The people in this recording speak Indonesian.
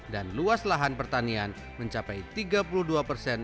dan luas lahan pertanian mencapai tiga puluh dua persen